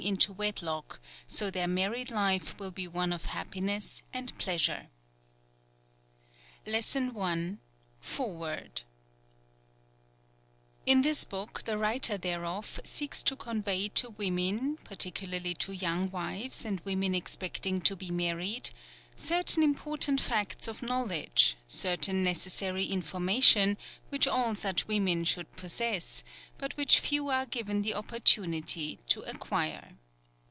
Cautionary Advice. A Sane, Clean, presentation of the Subject 203 Sex Advice to Women LESSON I FOREWORD In this book the writer thereof seeks to convey to women particularly to young wives and women expecting to be married certain important facts of knowledge, certain necessary information, which all such women should possess, but which few are given the opportunity to acquire.